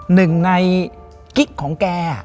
หนึ่งในกิ๊กของแก